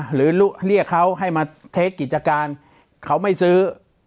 หรือเรียกเขาให้มาเทคกิจการเขาไม่ซื้อ